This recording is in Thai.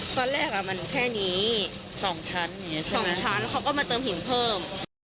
ตอนแรกอ่ะมันแค่นี้สองชั้นสองชั้นเขาก็มาเติมหินเพิ่ม